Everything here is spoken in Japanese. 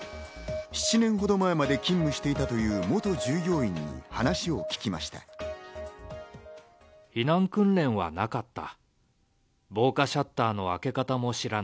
７年ほど前まで働いていたという元従業員に話を聞きました。